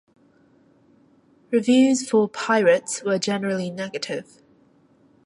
Reviews for "Pyrates" were generally negative.